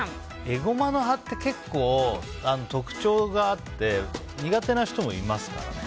エゴマの葉って結構特徴があって苦手な人もいますからね。